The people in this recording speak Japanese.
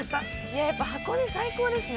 ◆やっぱ箱根最高ですね。